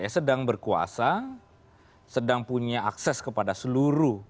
sedang berkuasa sedang punya akses kepada seluruh